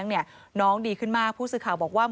แล้วตอนนี้ศาลให้ประกันตัวออกมาแล้ว